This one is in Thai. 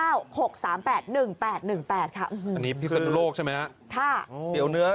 อันนี้ที่สนโลกใช่ไหมครับค่ะโอ้โฮ